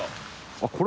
あっこれ？